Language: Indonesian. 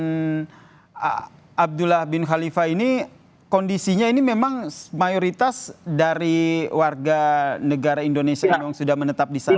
dan abdullah bin khalifa ini kondisinya ini memang mayoritas dari warga negara indonesia yang sudah menetap di sana